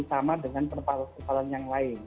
sama dengan perpalaan perpalaan yang lain